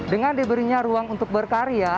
dengan diberinya ruang untuk berkarya